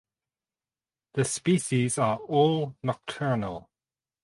The species are all nocturnal.